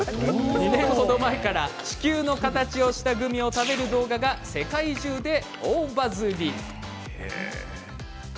２年程前から地球の形をしたグミを食べる動画が世界中で大バズり。